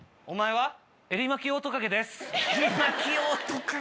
お前は？